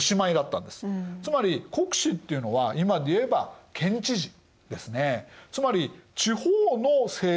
つまり国司っていうのは今でいえば県知事ですね。